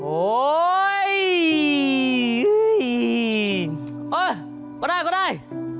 โอ๊ยก็ได้ก็ได้